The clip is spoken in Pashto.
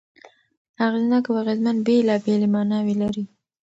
اغېزناک او اغېزمن بېلابېلې ماناوې لري.